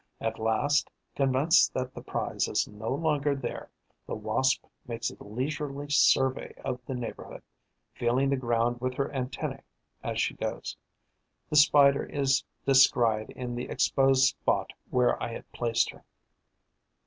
At last, convinced that the prize is no longer there, the Wasp makes a leisurely survey of the neighbourhood, feeling the ground with her antennae as she goes. The Spider is descried in the exposed spot where I had placed her.